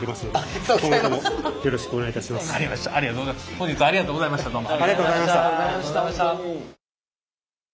本日はありがとうございましたどうも。